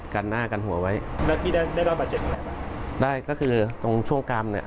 กันหน้ากันหัวไว้แล้วพี่ได้ได้รับบาดเจ็บอะไรป่ะได้ก็คือตรงช่วงกรรมเนี้ย